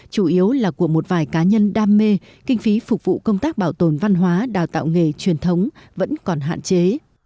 chủ yếu là của một vài cá nhân đam mê kinh phí phục vụ công tác bảo tồn văn hóa đào tạo nghề truyền thống vẫn còn hạn chế